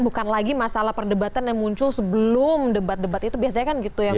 bukan lagi masalah perdebatan yang muncul sebelum debat debat itu biasanya kan gitu ya